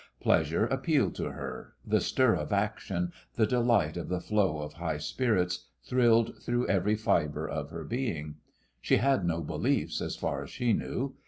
Pleasure appealed to her; the stir of action, the delight of the flow of high spirits, thrilled through every fibre of her being. She had no beliefs, as far as she knew.